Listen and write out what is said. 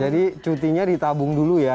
jadi cutinya ditabung dulu ya